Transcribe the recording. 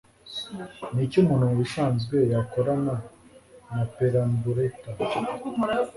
Niki Umuntu Mubisanzwe Yakorana na Perambulator